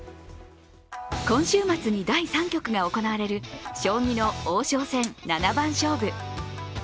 今週末に第３局が行われる将棋の王将戦七番勝負。